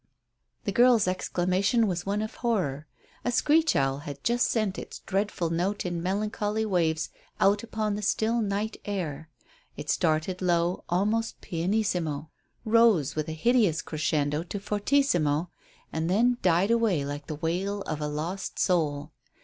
The girl's exclamation was one of horror. A screech owl had just sent its dreadful note in melancholy waves out upon the still night air. It started low, almost pianissimo, rose with a hideous crescendo to fortissimo, and then died away like the wail of a lost soul.